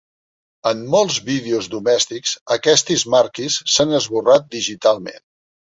En molts vídeos domèstics, aquestes marques s'han esborrat digitalment.